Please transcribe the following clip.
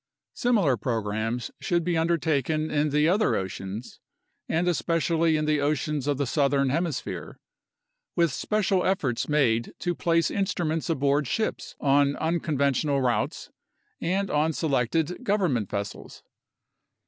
Similar programs should be undertaken in the other oceans, and especially in the oceans of the southern hemisphere, with special efforts made to place instruments aboard ships on uncon ventional routes and on selected government vessels.